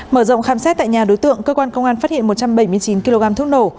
mở rộng khám xét tại nhà đối tượng cơ quan công an phát hiện một trăm bảy mươi chín kg thuốc nổ